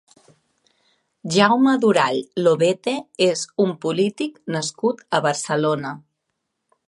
Jaume Durall Lobete és un polític nascut a Barcelona.